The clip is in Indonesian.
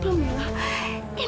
ya tapi kenapa mila